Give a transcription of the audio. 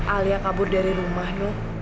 alia kabur dari rumah nih